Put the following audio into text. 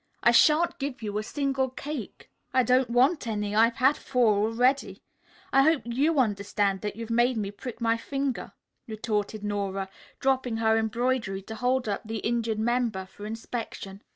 "I shan't give you a single cake." "I don't want any. I've had four already. I hope you understand that you've made me prick my finger," retorted Nora, dropping her embroidery to hold up the injured member for inspection.